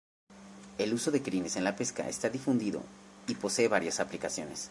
El uso de crines en la pesca está difundido y posee varias aplicaciones.